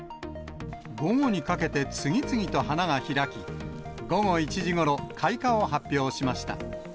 午後にかけて、次々と花が開き、午後１時ごろ、開花を発表しました。